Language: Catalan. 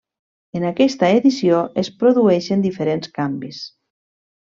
En aquesta edició es produeixen diferents canvis.